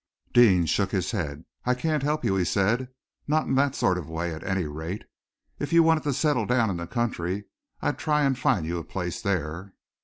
Deane shook his head. "I can't help you," he said, "not in that sort of way, at any rate. If you wanted to settle down in the country, I'd try and find you a place there."